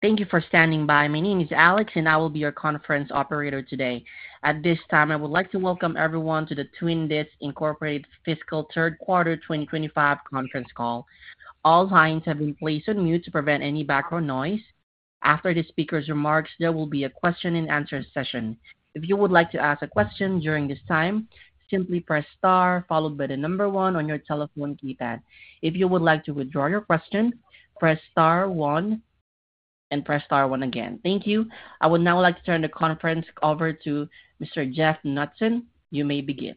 Thank you for standing by. My name is Alex, and I will be your conference operator today. At this time, I would like to welcome everyone to the Twin Disc Incorporated Fiscal Third Quarter 2025 Conference Call. All lines have been placed on mute to prevent any background noise. After the speaker's remarks, there will be a question-and-answer session. If you would like to ask a question during this time, simply press star followed by the number one on your telephone keypad. If you would like to withdraw your question, press star one and press star one again. Thank you. I would now like to turn the conference over to Mr. Jeff Knutson. You may begin.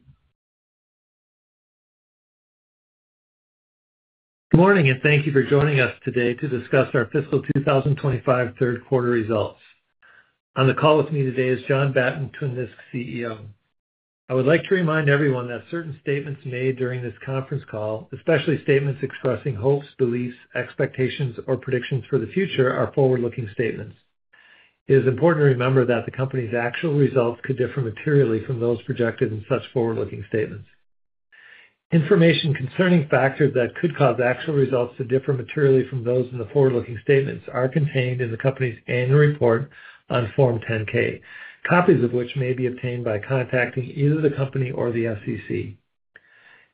Good morning, and thank you for joining us today to discuss our Fiscal 2025 Third Quarter Results. On the call with me today is John Batten, Twin Disc CEO. I would like to remind everyone that certain statements made during this conference call, especially statements expressing hopes, beliefs, expectations, or predictions for the future, are forward-looking statements. It is important to remember that the company's actual results could differ materially from those projected in such forward-looking statements. Information concerning factors that could cause actual results to differ materially from those in the forward-looking statements are contained in the company's annual report on Form 10-K, copies of which may be obtained by contacting either the company or the SEC.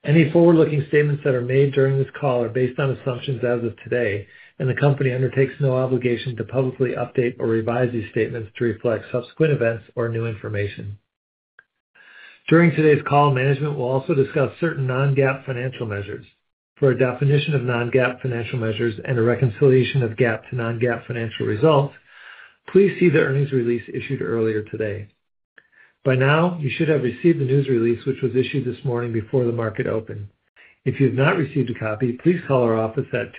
Any forward-looking statements that are made during this call are based on assumptions as of today, and the company undertakes no obligation to publicly update or revise these statements to reflect subsequent events or new information. During today's call, management will also discuss certain non-GAAP financial measures. For a definition of non-GAAP financial measures and a reconciliation of GAAP to non-GAAP financial results, please see the earnings release issued earlier today. By now, you should have received the news release, which was issued this morning before the market opened. If you have not received a copy, please call our office at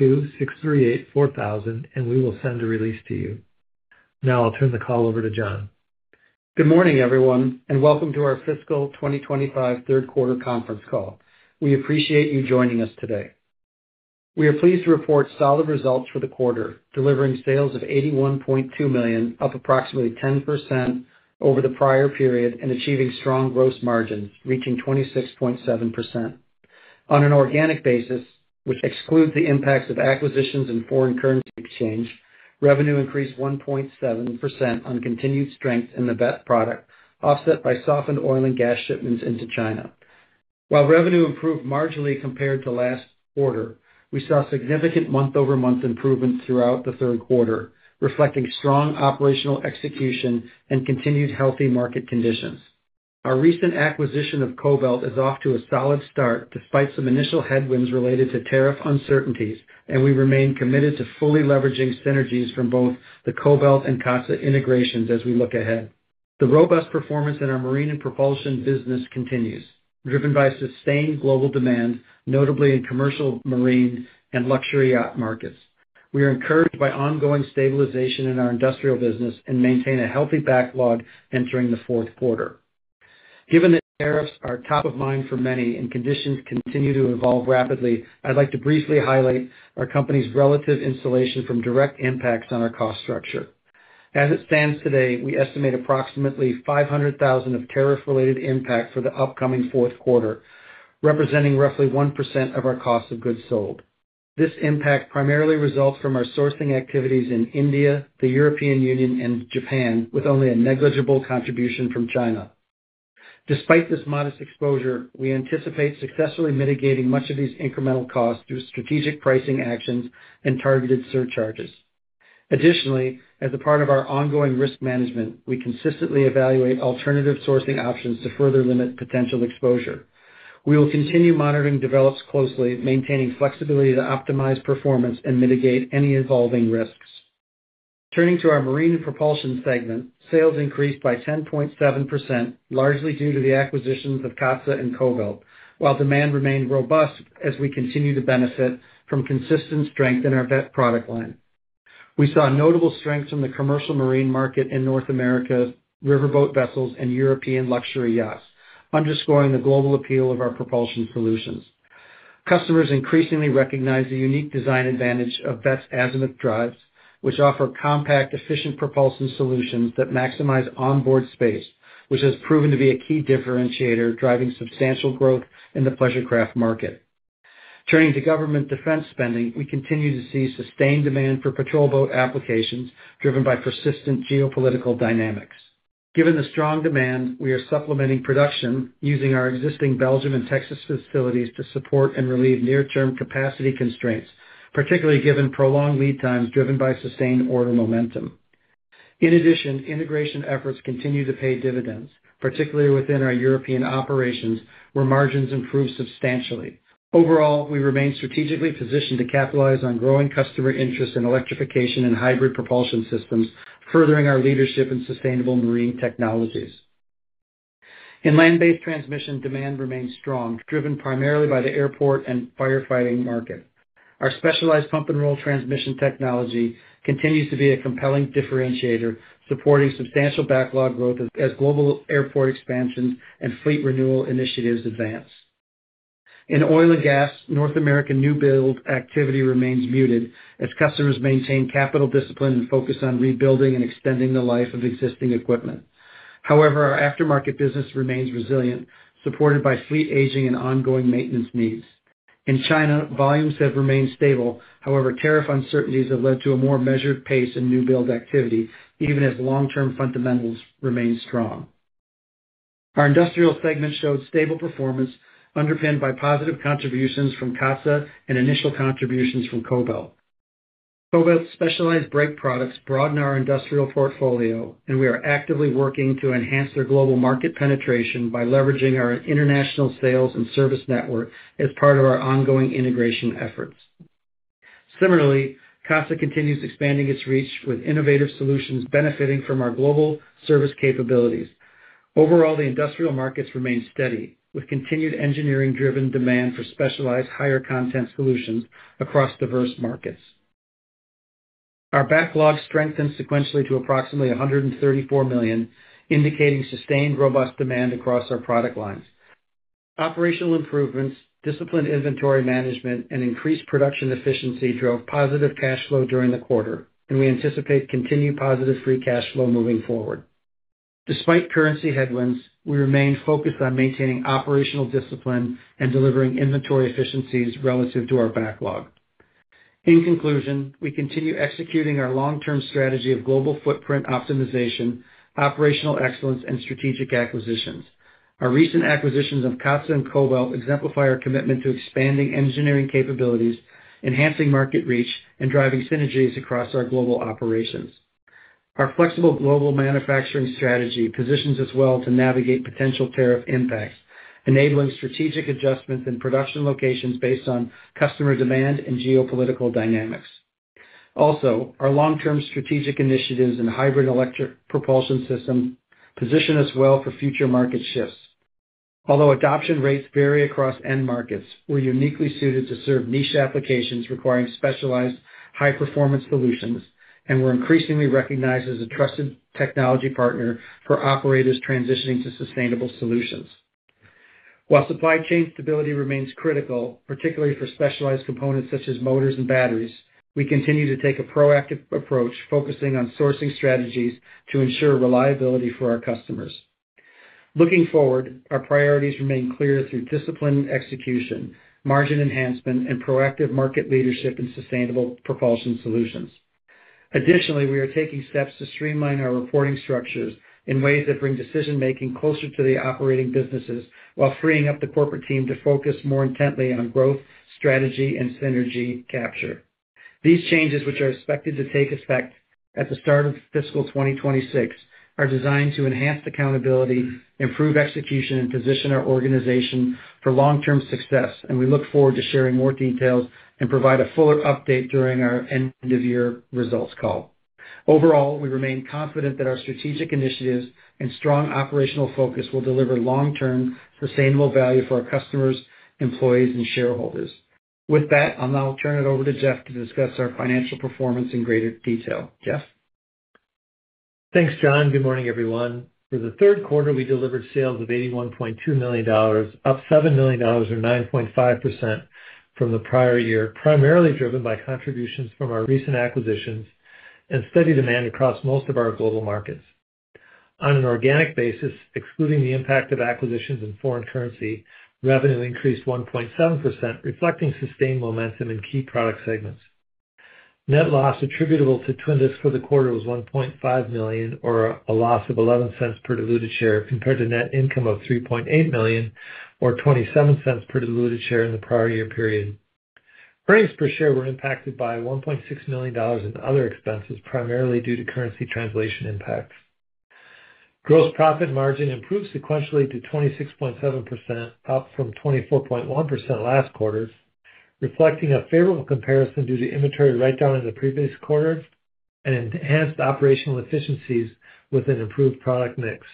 262-638-4000, and we will send a release to you. Now I'll turn the call over to John. Good morning, everyone, and welcome to our Fiscal 2025 Third Quarter Conference Call. We appreciate you joining us today. We are pleased to report solid results for the quarter, delivering sales of $81.2 million, up approximately 10% over the prior period, and achieving strong gross margins reaching 26.7%. On an organic basis, which excludes the impacts of acquisitions and foreign currency exchange, revenue increased 1.7% on continued strength in the BEPS product, offset by softened oil and gas shipments into China. While revenue improved marginally compared to last quarter, we saw significant month-over-month improvements throughout the third quarter, reflecting strong operational execution and continued healthy market conditions. Our recent acquisition of Kobelt is off to a solid start despite some initial headwinds related to tariff uncertainties, and we remain committed to fully leveraging synergies from both the Kobelt and Katsa integrations as we look ahead. The robust performance in our marine and propulsion business continues, driven by sustained global demand, notably in commercial marine and luxury yacht markets. We are encouraged by ongoing stabilization in our industrial business and maintain a healthy backlog entering the fourth quarter. Given that tariffs are top of mind for many and conditions continue to evolve rapidly, I'd like to briefly highlight our company's relative insulation from direct impacts on our cost structure. As it stands today, we estimate approximately $500,000 of tariff-related impact for the upcoming fourth quarter, representing roughly 1% of our cost of goods sold. This impact primarily results from our sourcing activities in India, the European Union, and Japan, with only a negligible contribution from China. Despite this modest exposure, we anticipate successfully mitigating much of these incremental costs through strategic pricing actions and targeted surcharges. Additionally, as a part of our ongoing risk management, we consistently evaluate alternative sourcing options to further limit potential exposure. We will continue monitoring developments closely, maintaining flexibility to optimize performance and mitigate any evolving risks. Turning to our marine and propulsion segment, sales increased by 10.7%, largely due to the acquisitions of Katsa and Kobelt, while demand remained robust as we continue to benefit from consistent strength in our BEPS product line. We saw notable strength from the commercial marine market in North America, riverboat vessels, and European luxury yachts, underscoring the global appeal of our propulsion solutions. Customers increasingly recognize the unique design advantage of BEPS azimuth drives, which offer compact, efficient propulsion solutions that maximize onboard space, which has proven to be a key differentiator driving substantial growth in the pleasure craft market. Turning to government defense spending, we continue to see sustained demand for patrol boat applications driven by persistent geopolitical dynamics. Given the strong demand, we are supplementing production using our existing Belgium and Texas facilities to support and relieve near-term capacity constraints, particularly given prolonged lead times driven by sustained order momentum. In addition, integration efforts continue to pay dividends, particularly within our European operations where margins improved substantially. Overall, we remain strategically positioned to capitalize on growing customer interest in Electrification and Hybrid Propulsion Systems, furthering our leadership in sustainable marine technologies. In land-based transmission, demand remains strong, driven primarily by the airport and firefighting market. Our specialized pump and roll transmission technology continues to be a compelling differentiator, supporting substantial backlog growth as global airport expansions and fleet renewal initiatives advance. In oil and gas, North American new build activity remains muted as customers maintain capital discipline and focus on rebuilding and extending the life of existing equipment. However, our aftermarket business remains resilient, supported by fleet aging and ongoing maintenance needs. In China, volumes have remained stable. However, tariff uncertainties have led to a more measured pace in new build activity, even as long-term fundamentals remain strong. Our industrial segment showed stable performance, underpinned by positive contributions from Katsa and initial contributions from Kobelt. Kobelt's specialized brake products broaden our industrial portfolio, and we are actively working to enhance their global market penetration by leveraging our international sales and service network as part of our ongoing integration efforts. Similarly, Katsa continues expanding its reach with innovative solutions benefiting from our global service capabilities. Overall, the industrial markets remain steady, with continued engineering-driven demand for specialized higher-content solutions across diverse markets. Our backlog strengthened sequentially to approximately $134 million, indicating sustained robust demand across our product lines. Operational improvements, disciplined inventory management, and increased production efficiency drove positive cash flow during the quarter, and we anticipate continued positive free cash flow moving forward. Despite currency headwinds, we remain focused on maintaining operational discipline and delivering inventory efficiencies relative to our backlog. In conclusion, we continue executing our long-term strategy of global footprint optimization, operational excellence, and strategic acquisitions. Our recent acquisitions of Katsa and Kobelt exemplify our commitment to expanding engineering capabilities, enhancing market reach, and driving synergies across our global operations. Our flexible global manufacturing strategy positions us well to navigate potential tariff impacts, enabling strategic adjustments in production locations based on customer demand and geopolitical dynamics. Also, our long-term strategic initiatives in hybrid electric propulsion systems position us well for future market shifts. Although adoption rates vary across end markets, we're uniquely suited to serve niche applications requiring specialized high-performance solutions and we're increasingly recognized as a trusted technology partner for operators transitioning to sustainable solutions. While supply chain stability remains critical, particularly for specialized components such as motors and batteries, we continue to take a proactive approach focusing on sourcing strategies to ensure reliability for our customers. Looking forward, our priorities remain clear through disciplined execution, margin enhancement, and proactive market leadership in sustainable propulsion solutions. Additionally, we are taking steps to streamline our reporting structures in ways that bring decision-making closer to the operating businesses while freeing up the corporate team to focus more intently on growth, strategy, and synergy capture. These changes, which are expected to take effect at the start of fiscal 2026, are designed to enhance accountability, improve execution, and position our organization for long-term success, and we look forward to sharing more details and provide a fuller update during our end-of-year results call. Overall, we remain confident that our strategic initiatives and strong operational focus will deliver long-term sustainable value for our customers, employees, and shareholders. With that, I'll now turn it over to Jeff to discuss our financial performance in greater detail. Jeff? Thanks, John. Good morning, everyone. For the third quarter, we delivered sales of $81.2 million, up $7 million or 9.5% from the prior year, primarily driven by contributions from our recent acquisitions and steady demand across most of our global markets. On an organic basis, excluding the impact of acquisitions and foreign currency, revenue increased 1.7%, reflecting sustained momentum in key product segments. Net loss attributable to Twin Disc for the quarter was $1.5 million, or a loss of $0.11 per diluted share, compared to net income of $3.8 million, or $0.27 per diluted share in the prior year period. Earnings per share were impacted by $1.6 million in other expenses, primarily due to currency translation impacts. Gross profit margin improved sequentially to 26.7%, up from 24.1% last quarter, reflecting a favorable comparison due to inventory write-down in the previous quarter and enhanced operational efficiencies with an improved product mix.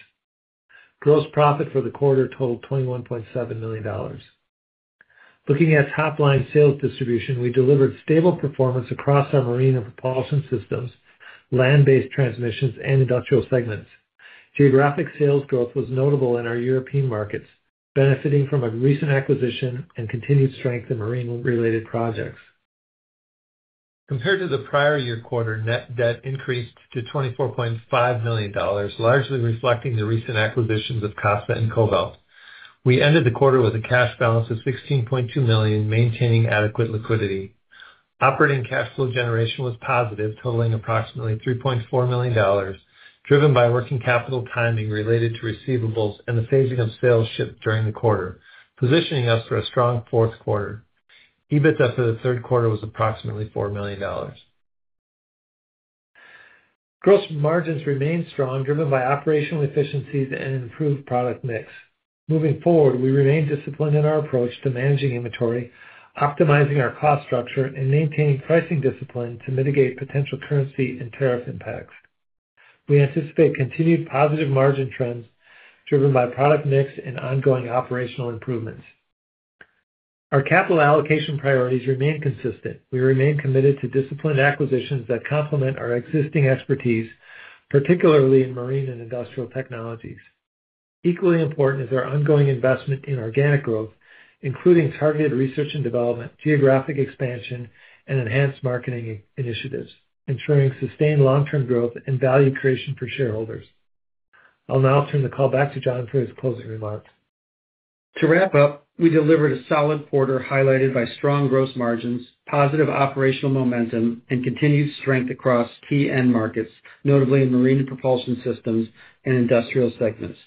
Gross profit for the quarter totaled $21.7 million. Looking at top-line sales distribution, we delivered stable performance across our marine and propulsion systems, land-based transmissions, and industrial segments. Geographic sales growth was notable in our European markets, benefiting from a recent acquisition and continued strength in marine-related projects. Compared to the prior year quarter, net debt increased to $24.5 million, largely reflecting the recent acquisitions of Katsa and Kobelt. We ended the quarter with a cash balance of $16.2 million, maintaining adequate liquidity. Operating cash flow generation was positive, totaling approximately $3.4 million, driven by working capital timing related to receivables and the phasing of sales shipped during the quarter, positioning us for a strong fourth quarter. EBITDA for the third quarter was approximately $4 million. Gross margins remained strong, driven by operational efficiencies and improved product mix. Moving forward, we remain disciplined in our approach to managing inventory, optimizing our cost structure, and maintaining pricing discipline to mitigate potential currency and tariff impacts. We anticipate continued positive margin trends driven by product mix and ongoing operational improvements. Our capital allocation priorities remain consistent. We remain committed to disciplined acquisitions that complement our existing expertise, particularly in marine and industrial technologies. Equally important is our ongoing investment in organic growth, including targeted research and development, geographic expansion, and enhanced marketing initiatives, ensuring sustained long-term growth and value creation for shareholders. I'll now turn the call back to John for his closing remarks. To wrap up, we delivered a solid quarter highlighted by strong gross margins, positive operational momentum, and continued strength across key end markets, notably in marine and propulsion systems and industrial segments.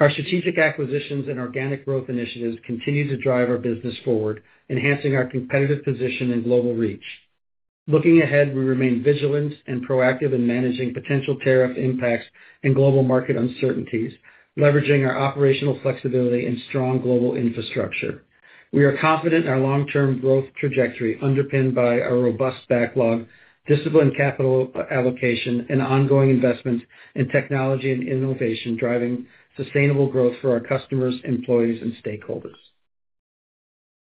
Our strategic acquisitions and organic growth initiatives continue to drive our business forward, enhancing our competitive position and global reach. Looking ahead, we remain vigilant and proactive in managing potential tariff impacts and global market uncertainties, leveraging our operational flexibility and strong global infrastructure. We are confident in our long-term growth trajectory, underpinned by a robust backlog, disciplined capital allocation, and ongoing investments in technology and innovation driving sustainable growth for our customers, employees, and stakeholders.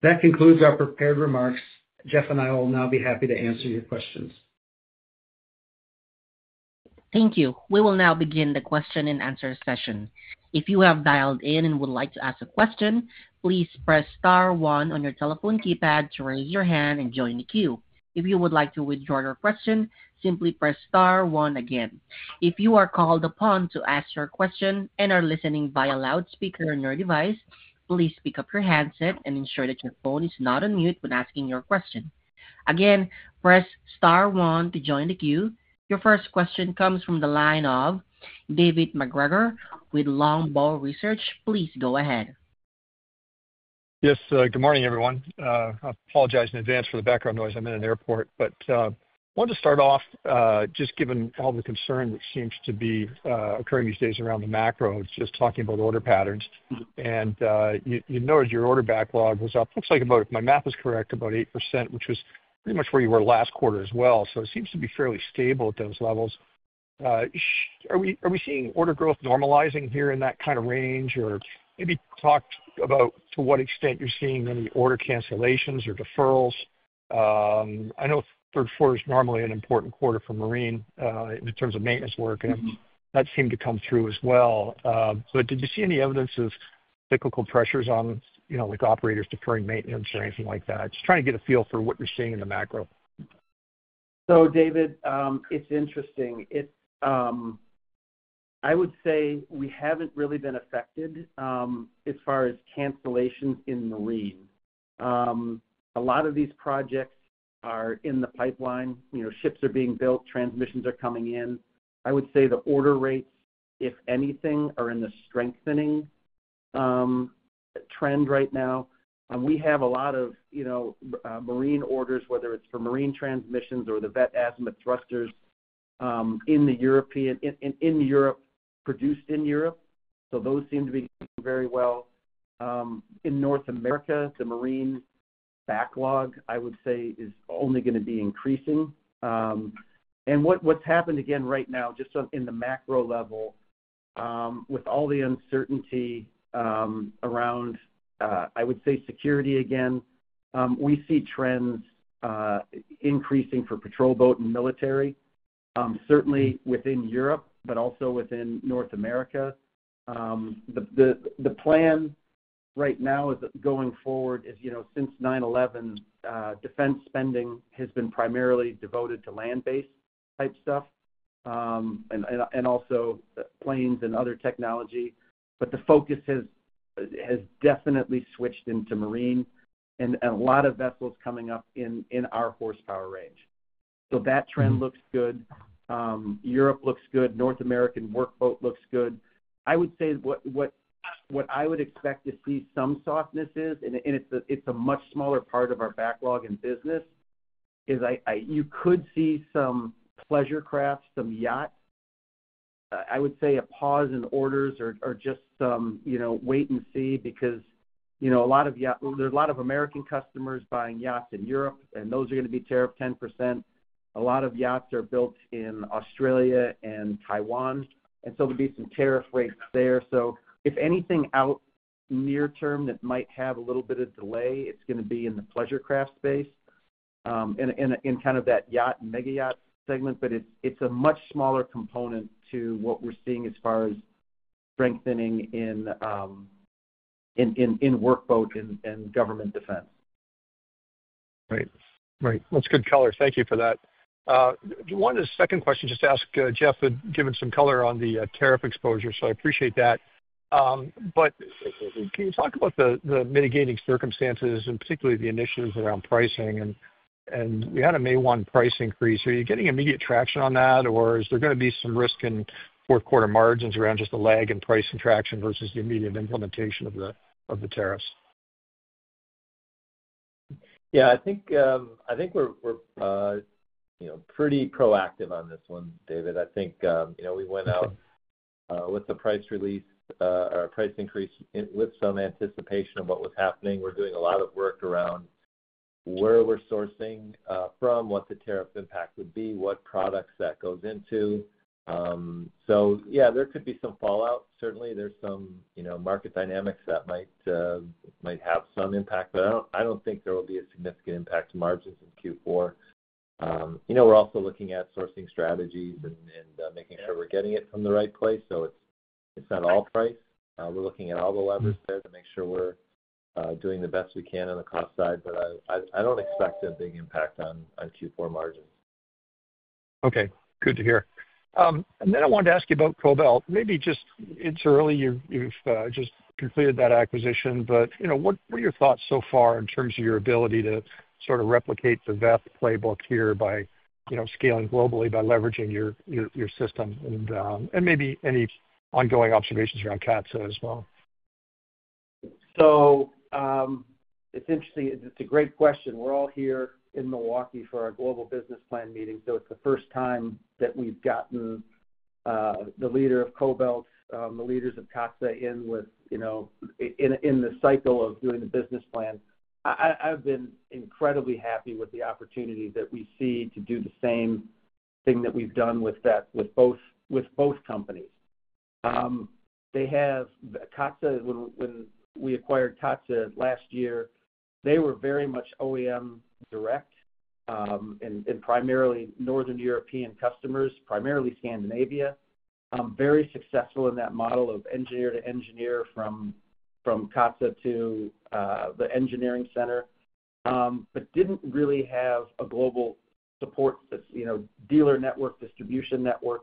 That concludes our prepared remarks. Jeff and I will now be happy to answer your questions. Thank you. We will now begin the question-and-answer session. If you have dialed in and would like to ask a question, please press star one on your telephone keypad to raise your hand and join the queue. If you would like to withdraw your question, simply press star one again. If you are called upon to ask your question and are listening via loudspeaker on your device, please pick up your handset and ensure that your phone is not on mute when asking your question. Again, press star one to join the queue. Your first question comes from the line of David MacGregor with Longbow Research. Please go ahead. Yes, good morning, everyone. I apologize in advance for the background noise. I'm in an airport, but I wanted to start off just given all the concern that seems to be occurring these days around the macro, just talking about order patterns. You noted your order backlog was up, looks like about, if my math is correct, about 8%, which was pretty much where you were last quarter as well. It seems to be fairly stable at those levels. Are we seeing order growth normalizing here in that kind of range, or maybe talk about to what extent you're seeing any order cancellations or deferrals? I know third quarter is normally an important quarter for marine in terms of maintenance work, and that seemed to come through as well. Did you see any evidence of cyclical pressures on operators deferring maintenance or anything like that? Just trying to get a feel for what you're seeing in the macro. David, it's interesting. I would say we haven't really been affected as far as cancellations in marine. A lot of these projects are in the pipeline. Ships are being built, transmissions are coming in. I would say the order rates, if anything, are in the strengthening trend right now. We have a lot of marine orders, whether it's for Marine Transmissions or the Veth Azimuth Thrusters, in Europe, produced in Europe. Those seem to be doing very well. In North America, the marine backlog, I would say, is only going to be increasing. What's happened again right now, just in the macro level, with all the uncertainty around, I would say, security again, we see trends increasing for patrol boat and military, certainly within Europe, but also within North America. The plan right now is going forward is, since 9/11, defense spending has been primarily devoted to land-based type stuff and also planes and other technology, but the focus has definitely switched into marine and a lot of vessels coming up in our horsepower range. That trend looks good. Europe looks good. North American workboat looks good. I would say what I would expect to see some softness is, and it's a much smaller part of our backlog in business, is you could see some pleasure crafts, some yachts. I would say a pause in orders or just wait and see because there's a lot of American customers buying yachts in Europe, and those are going to be tariff 10%. A lot of yachts are built in Australia and Taiwan, and so there'll be some tariff rates there. If anything out near term that might have a little bit of delay, it's going to be in the pleasure craft space and kind of that yacht and mega yacht segment, but it's a much smaller component to what we're seeing as far as strengthening in workboat and government defense. Right. Right. That's good color. Thank you for that. One second question just to ask Jeff, but given some color on the tariff exposure, so I appreciate that. Can you talk about the mitigating circumstances and particularly the initiatives around pricing? We had a May 1 price increase. Are you getting immediate traction on that, or is there going to be some risk in fourth quarter margins around just the lag in price and traction versus the immediate implementation of the tariffs? Yeah, I think we're pretty proactive on this one, David. I think we went out with the price release or price increase with some anticipation of what was happening. We're doing a lot of work around where we're sourcing from, what the tariff impact would be, what products that goes into. Yeah, there could be some fallout. Certainly, there's some market dynamics that might have some impact, but I don't think there will be a significant impact to margins in Q4. We're also looking at sourcing strategies and making sure we're getting it from the right place. It's not all price. We're looking at all the levers there to make sure we're doing the best we can on the cost side, but I don't expect a big impact on Q4 margins. Okay. Good to hear. I wanted to ask you about Kobelt. Maybe just it's early. You've just completed that acquisition, but what are your thoughts so far in terms of your ability to sort of replicate the Veth playbook here by scaling globally, by leveraging your system, and maybe any ongoing observations around Katsa as well? It's interesting. It's a great question. We're all here in Milwaukee for our global business plan meeting. It's the first time that we've gotten the leader of Kobelt, the leaders of Katsa in the cycle of doing the business plan. I've been incredibly happy with the opportunity that we see to do the same thing that we've done with both companies. When we acquired Katsa last year, they were very much OEM direct and primarily Northern European customers, primarily Scandinavia, very successful in that model of engineer to engineer from Katsa to the engineering center, but didn't really have a global support dealer network, distribution network.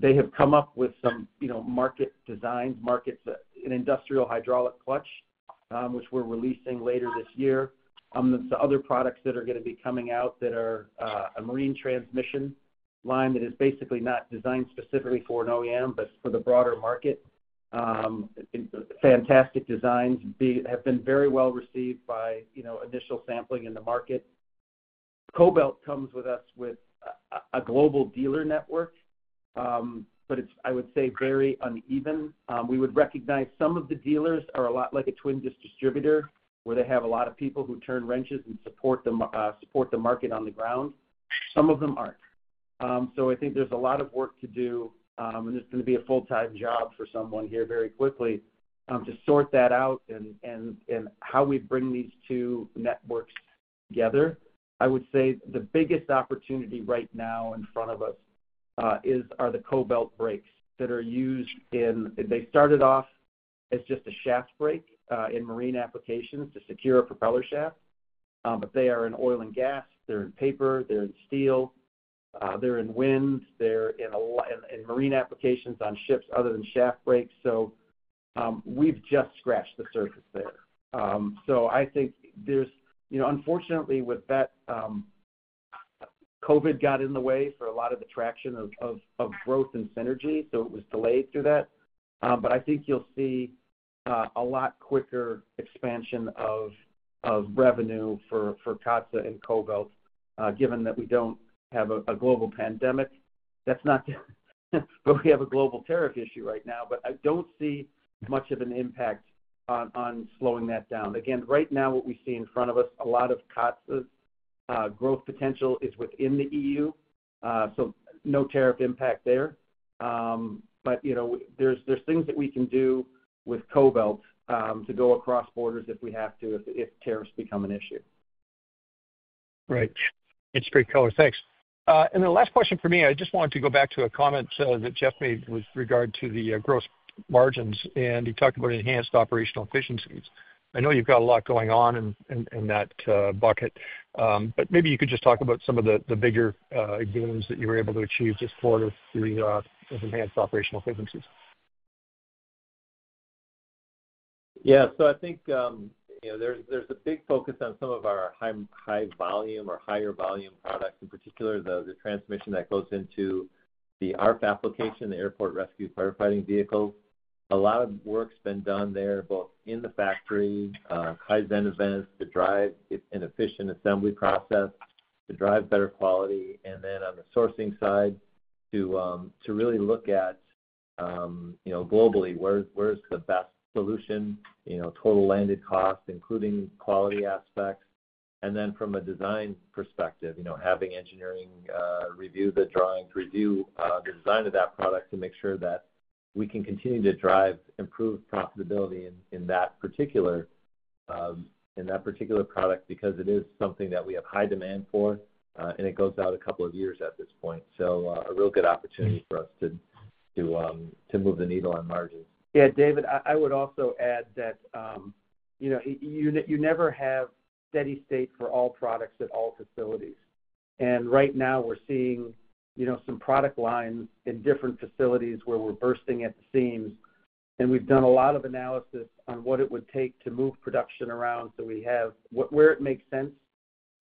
They have come up with some market designs, markets, an Industrial Hydraulic Clutch, which we're releasing later this year. are other products that are going to be coming out that are a Marine Transmission Line that is basically not designed specifically for an OEM, but for the broader market. Fantastic designs have been very well received by initial sampling in the market. Kobelt comes with us with a global dealer network, but it is, I would say, very uneven. We would recognize some of the dealers are a lot like a Twin Disc distributor, where they have a lot of people who turn wrenches and support the market on the ground. Some of them are not. I think there is a lot of work to do, and there is going to be a full-time job for someone here very quickly to sort that out and how we bring these two networks together. I would say the biggest opportunity right now in front of us are the Kobelt Brakes that are used in, they started off as just a shaft brake in marine applications to secure a propeller shaft, but they are in oil and gas. They're in paper. They're in steel. They're in wind. They're in marine applications on ships other than shaft brakes. We've just scratched the surface there. I think there's, unfortunately, with that, Covid got in the way for a lot of the traction of growth and synergy, so it was delayed through that. I think you'll see a lot quicker expansion of revenue for Katsa and Kobelt, given that we don't have a global pandemic. We have a global tariff issue right now, but I don't see much of an impact on slowing that down. Again, right now, what we see in front of us, a lot of Katsa's growth potential is within the E.U., so no tariff impact there. There are things that we can do with Kobelt to go across borders if we have to, if tariffs become an issue. Right. It's great color. Thanks. Last question for me, I just wanted to go back to a comment that Jeff made with regard to the gross margins, and he talked about enhanced operational efficiencies. I know you've got a lot going on in that bucket, but maybe you could just talk about some of the bigger exhibits that you were able to achieve this quarter with enhanced operational efficiencies. Yeah. I think there's a big focus on some of our high-volume or higher volume products, in particular the transmission that goes into the ARF application, the Airport Rescue Firefighting vehicles. A lot of work's been done there, both in the factory, Kaizen events, to drive an efficient assembly process, to drive better quality. On the sourcing side, to really look at globally, where's the best solution, total landed cost, including quality aspects. From a design perspective, having engineering review the drawings, review the design of that product to make sure that we can continue to drive improved profitability in that particular product because it is something that we have high demand for, and it goes out a couple of years at this point. A real good opportunity for us to move the needle on margins. Yeah, David, I would also add that you never have steady state for all products at all facilities. Right now, we're seeing some product lines in different facilities where we're bursting at the seams, and we've done a lot of analysis on what it would take to move production around so we have where it makes sense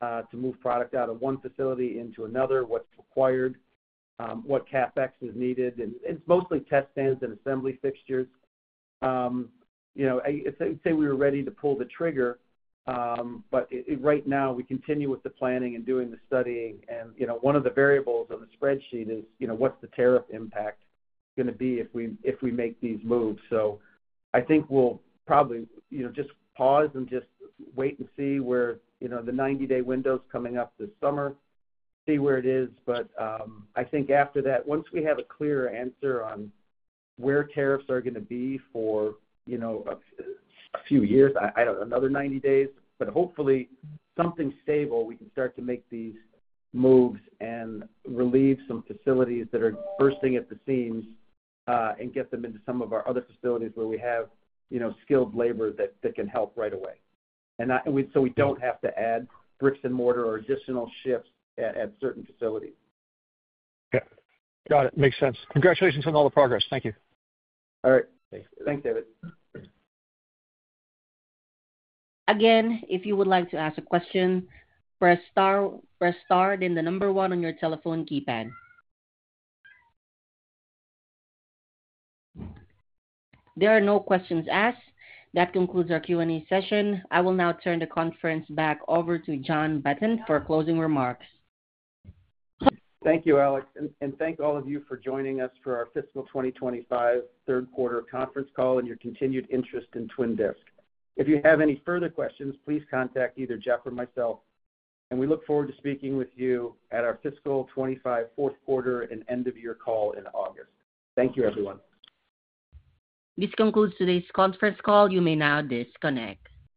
to move product out of one facility into another, what's required, what CapEx is needed. It's mostly test stands and assembly fixtures. I'd say we were ready to pull the trigger, but right now, we continue with the planning and doing the studying. One of the variables on the spreadsheet is what's the tariff impact going to be if we make these moves. I think we'll probably just pause and just wait and see where the 90-day window's coming up this summer, see where it is. I think after that, once we have a clear answer on where tariffs are going to be for a few years, I do not know, another 90 days, but hopefully, something stable, we can start to make these moves and relieve some facilities that are bursting at the seams and get them into some of our other facilities where we have skilled labor that can help right away. We do not have to add bricks and mortar or additional shifts at certain facilities. Yeah. Got it. Makes sense. Congratulations on all the progress. Thank you. All right. Thanks, David. Again, if you would like to ask a question, press star. Press star then the number one on your telephone keypad. There are no questions asked. That concludes our Q&A session. I will now turn the conference back over to John Batten for closing remarks. Thank you, Alex. Thank all of you for joining us for our fiscal 2025 third quarter conference call and your continued interest in Twin Disc. If you have any further questions, please contact either Jeff or myself. We look forward to speaking with you at our Fiscal 2025 Fourth Quarter and End-of-Year Call in August. Thank you, everyone. This concludes today's conference call. You may now disconnect.